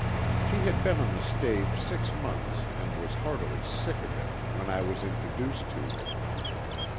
She had been on the stage six months and was heartily sick of it when I was introduced to her.